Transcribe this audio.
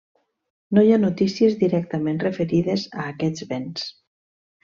No hi ha notícies directament referides a aquests béns.